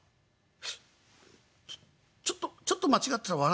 「ちょちょっと間違ってたら。